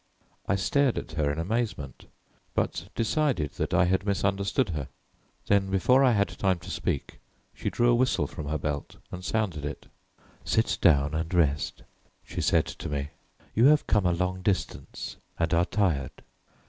I stared at her in amazement but decided that I had misunderstood her. Then before I had time to speak she drew a whistle from her belt and sounded it. "Sit down and rest," she said to me; "you have come a long distance and are tired."